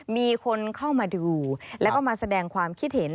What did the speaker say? มีคนเข้ามาดูแล้วก็มาแสดงความคิดเห็น